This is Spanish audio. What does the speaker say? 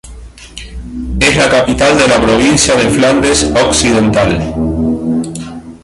Es la capital de la provincia de Flandes Occidental.